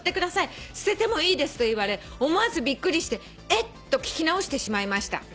「『捨ててもいいです』と言われ思わずびっくりしてえっ！？と聞き直してしまいました」